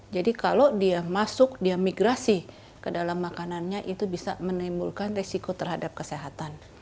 jadi kalau dia masuk dia migrasi ke dalam makanannya itu bisa menimbulkan resiko terhadap kesehatan